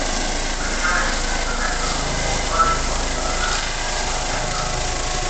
Mewn geometreg elfennol, ochr yw polygon ar ffin polyhedron.